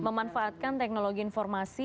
memanfaatkan teknologi informasi